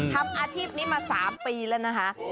ทำอาชีพนี้มา๓ปีแล้วนะคะ